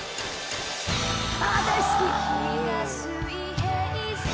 ああ大好き！